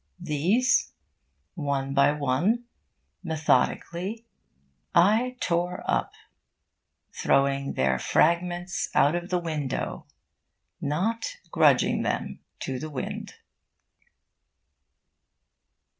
These, one by one, methodically, I tore up, throwing their fragments out of the window, not grudging them to the wind.